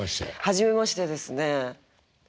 初めましてですね。